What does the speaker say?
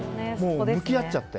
向き合っちゃって。